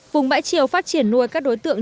vùng bãi triều phát triển nuôi các đối tượng